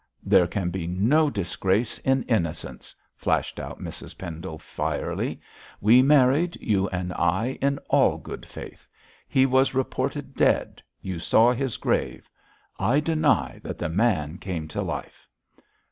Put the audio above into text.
'There can be no disgrace in innocence,' flashed out Mrs Pendle, fierily. 'We married, you and I, in all good faith. He was reported dead; you saw his grave. I deny that the man came to life.'